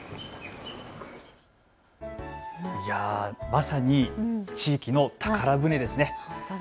まさに地域の宝船ですね。